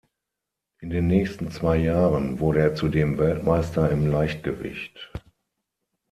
In den nächsten zwei Jahren wurde er zudem Weltmeister im Leichtgewicht.